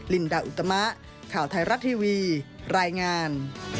ลินดาอุตมะข่าวไทยรัฐทีวีรายงาน